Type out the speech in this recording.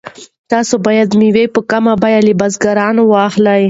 تاسو باید مېوې په کمه بیه له بزګرانو واخلئ.